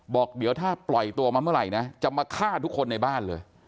บอกเดี๋ยวถ้าปล่อยตัวมาเมื่อไหร่นะจะมาฆ่าทุกคนในบ้านเลย